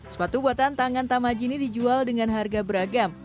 sepatu buatan tangan tamaji ini dijual dengan harga beragam